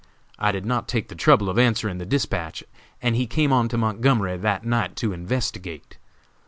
I did not take the trouble of answering the despatch, and he came on to Montgomery that night to investigate.